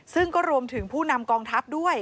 ซึ่งก็รวมถึงผู้นำกองทัพด้วย